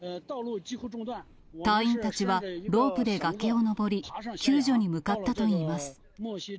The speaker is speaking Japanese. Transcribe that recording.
隊員たちはロープで崖を登り、救助に向かったといいます。